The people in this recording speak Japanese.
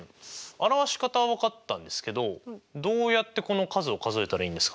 表し方は分かったんですけどどうやってこの数を数えたらいいんですかね？